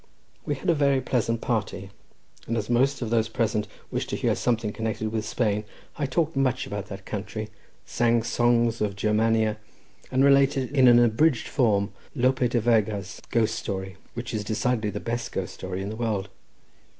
We had a very pleasant party; and as most of those present wished to hear something connected with Spain, I talked much about that country, sang songs of Germania, and related in an abridged form Lope de Vega's ghost story, which is decidedly the best ghost story in the world.